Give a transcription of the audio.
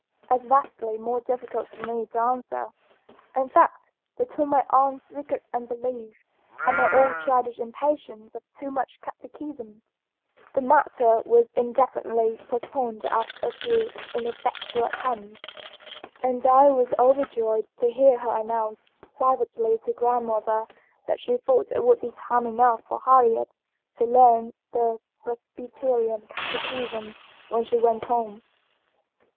as vastly more difficult for me to answer. In fact, between my aunt's secret unbelief and my own childish impatience of too much catechism, the matter was indefinitely postponed after a few ineffectual attempts, and I was overjoyed to hear her announce privately to grandmother that she thought it would be time enough for Harriet to learn the Presbyterian catechism when she went home."